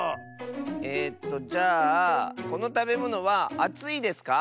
えっとじゃあこのたべものはあついですか？